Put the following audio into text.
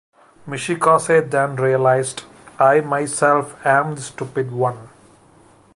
Michikaze then realized I myself am the stupid one.